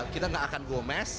kita gak akan go mess